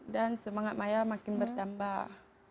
dan semangat maya makin bertambah